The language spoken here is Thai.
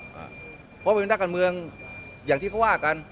เพราะเป็นนักการเมืองอย่างที่เขาว่ากัน